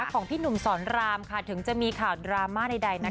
ของพี่หนุ่มสอนรามค่ะถึงจะมีข่าวดราม่าใดนะคะ